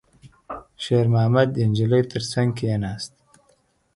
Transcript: شېرمحمد د نجلۍ تر څنګ کېناست.